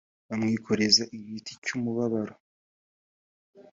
bamwikoreza igiti cy’umubabaro